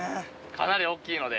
かなり大きいので。